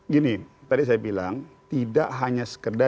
gini tadi saya bilang tidak hanya sekedar di lhk